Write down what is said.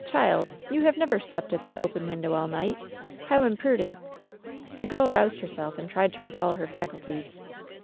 Child I you have never slept at that open window all night ? How imprudent !" The girl roused herself and tried to recall her facul ties.